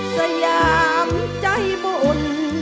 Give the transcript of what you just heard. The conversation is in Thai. สยามใจบน